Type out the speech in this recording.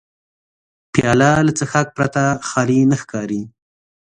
پیاله له څښاک پرته خالي نه ښکاري.